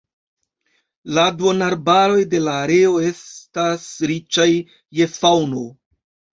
La duonarbaroj de la areo estas riĉaj je faŭno.